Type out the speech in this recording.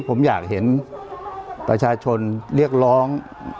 ผมอยากเห็นประชาชนเรียกร้อง